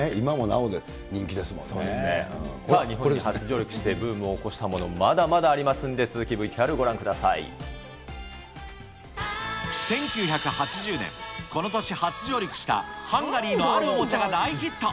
さあ、日本に初上陸してブームを巻き起こしたもの、まだまだありますん１９８０年、この年初上陸したハンガリーのあるおもちゃが大ヒット。